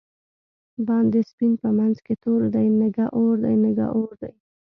باندی سپین په منځ کی تور دۍ، نگه اور دی نگه اور دی